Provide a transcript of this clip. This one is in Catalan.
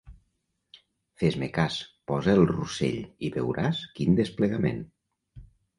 Fes-me cas, posa el Russell i veuràs quin desplegament.